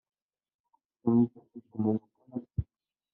Twejdemt ad teddmemt tamasit?